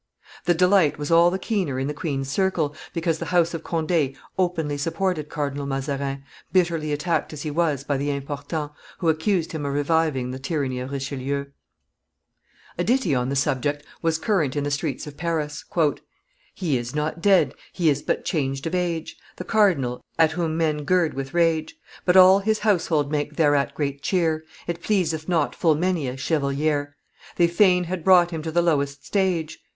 The delight was all the keener in the queen's circle, because the house of Conde openly supported Cardinal Mazarin, bitterly attacked as he was by the Importants, who accused him of reviving the tyranny of Richelieu. [Illustration: The Great Conde 348] A ditty on the subject was current in the streets of Paris: "He is not dead, he is but changed of age, The cardinal, at whom men gird with rage, But all his household make thereat great cheer; It pleaseth not full many a chevalier They fain had brought him to the lowest stage.